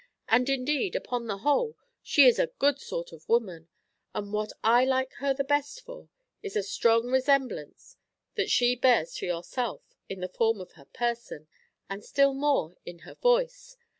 And, indeed, upon the whole, she is a good sort of woman; and what I like her the best for is a strong resemblance that she bears to yourself in the form of her person, and still more in her voice.